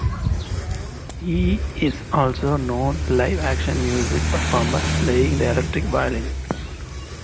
He is also known live-action music performer, playing the electric violin.